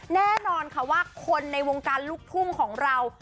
แน่นอนค่ะว่าคนในวงการลูกทุ่งของเรา